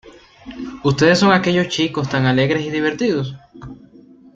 ¿Ustedes son aquellos chicos tan alegres y divertidos?